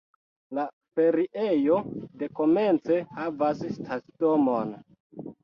La feriejo dekomence havas stacidomon.